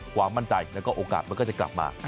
ความมั่นใจแล้วก็โอกาสมันก็จะกลับมา